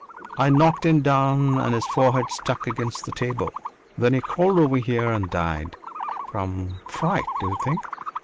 "I knocked him down and his forehead struck against the table. Then he crawled over here and died. From fright, d'you think?"